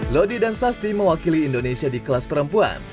lodi dan sasti mewakili indonesia di kelas perempuan